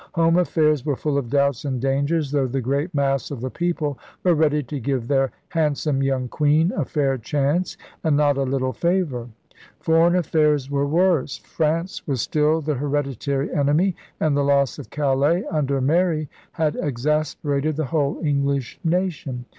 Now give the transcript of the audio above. Home affairs were full of doubts and dangers, though the great mass of the people were ready to give their hand some young queen a fair chance and not a little favor. Foreign affairs were worse. France was still the hereditary enemy; and the loss of Calais under Mary had exasperated the whole English nation.